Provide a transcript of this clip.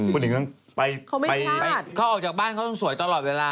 เขาไม่พลาดเขาออกจากบ้านเขาสวยตลอดเวลา